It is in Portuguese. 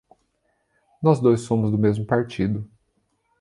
Nós dois somos do mesmo partido